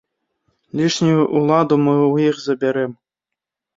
Лішнюю ўладу мы ў іх забярэм.